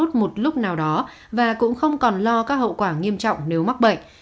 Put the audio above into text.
họ sẽ nhiễm virus một lúc nào đó và cũng không còn lo các hậu quả nghiêm trọng nếu mắc bệnh